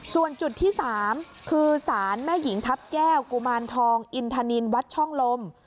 ส่วนจุดที่๓คือสารแม่หญิงทัพแก้วกุมารทองอินทนินวัดช่องลม